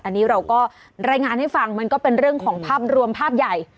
อันนี้เราก็รายงานให้ฟังมันก็เป็นเรื่องของภาพรวมภาพใหญ่